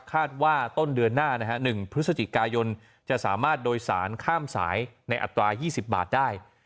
คาดว่าต้นเดือนหน้า๑พฤศจิกายนจะสามารถโดยสารข้ามสายในอัตรา๒๐บาทได้